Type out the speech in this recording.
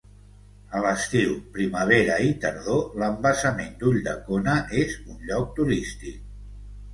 A l'estiu, primavera i tardor l'embassament d'Ulldecona és un lloc turístic.